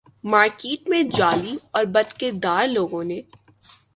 market میں جعلی اور بدکردار لوگوں نے